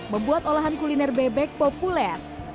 membuat olahan kuliner bebek populer